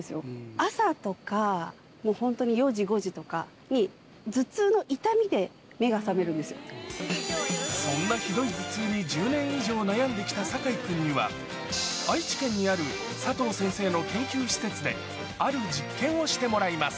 朝とか、もう本当に４時、５時とかに、そんなひどい頭痛に１０年以上悩んできた酒井君には、愛知県にある佐藤先生の研究施設で、ある実験をしてもらいます。